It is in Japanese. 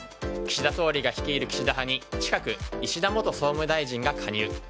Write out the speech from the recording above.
岸田総理が率いる岸田派に近く石田元総務大臣が加入。